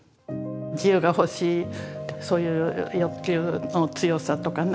自由が欲しいそういう欲求の強さとかね